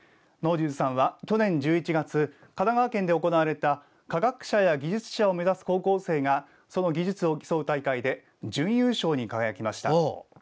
能重さんは、去年１１月神奈川県で行われた科学者や技術者を目指す高校生が技術を競う大会で準優勝に輝きました。